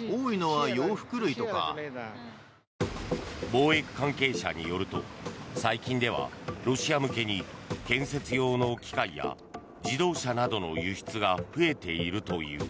貿易関係者によると、最近ではロシア向けに建設用の機械や自動車などの輸出が増えているという。